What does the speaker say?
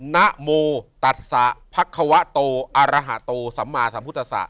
นโมตัสสะภักควะโตอารหโตสำมาสมพุทธัสสะ